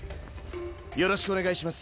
よろしくお願いします。